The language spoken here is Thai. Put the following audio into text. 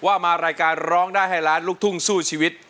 ว่ามารายการร้องได้ให้ล้านลูกทุ่งสู้ชีวิต